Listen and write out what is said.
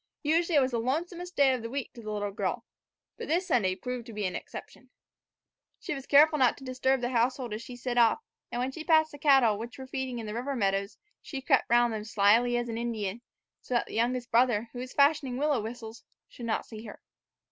Usually it was the lonesomest day of the week to the little girl; but this Sunday proved to be an exception. She was careful not to disturb the household as she set off, and when she passed the cattle, which were feeding in the river meadows, she crept round them as slyly as an Indian, so that the youngest brother, who was fashioning willow whistles, should not see her.